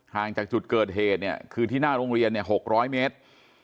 ห่างจากจุดเกิดเหตุเนี่ยคือที่หน้าโรงเรียน๖๐๐เมตร